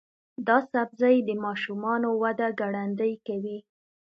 دا سبزی د ماشومانو وده ګړندۍ کوي.